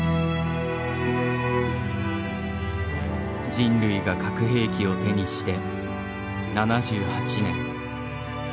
人類が核兵器を手にして７８年。